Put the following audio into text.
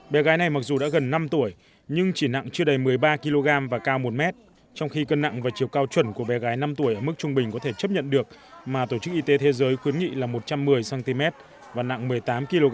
bé gái này mặc dù đã gần năm tuổi nhưng chỉ nặng chưa đầy một mươi ba kg và cao một m trong khi cân nặng và chiều cao chuẩn của bé gái năm tuổi ở mức trung bình có thể chấp nhận được mà tổ chức y tế thế giới khuyến nghị là một trăm một mươi cm và nặng một mươi tám kg